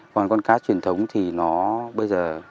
còn con cá truyền thống thì nó bây giờ